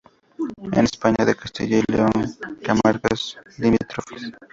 En España en Castilla y León y comarcas limítrofes.